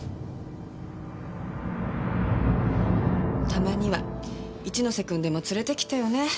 たまには一ノ瀬くんでも連れてきてよね。